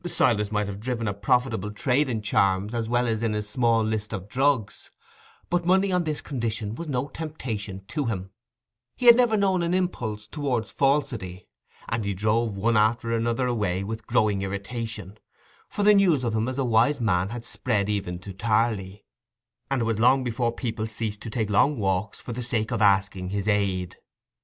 Silas might have driven a profitable trade in charms as well as in his small list of drugs; but money on this condition was no temptation to him: he had never known an impulse towards falsity, and he drove one after another away with growing irritation, for the news of him as a wise man had spread even to Tarley, and it was long before people ceased to take long walks for the sake of asking his aid.